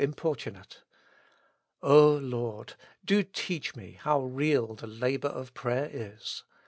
portunate. O Lord ! do teach me how real the labor of prayer is.